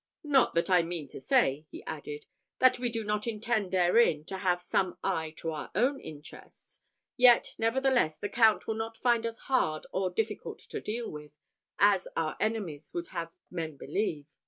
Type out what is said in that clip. Not that I mean to say," he added, "that we do not intend therein to have some eye to our own interests; yet, nevertheless, the Count will not find us hard or difficult to deal with, as our enemies would have men believe."